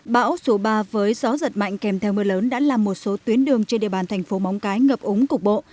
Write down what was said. bão số ba với gió giật mạnh kèm theo mưa lớn đã làm một số tuyến đường trên địa bàn thành phố móng cái ngập úng cục bộ